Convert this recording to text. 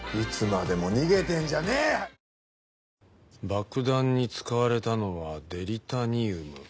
爆弾に使われたのはデリタニウム。